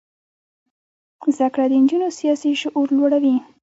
زده کړه د نجونو سیاسي شعور لوړوي.